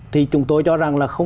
thì chúng tôi cho rằng là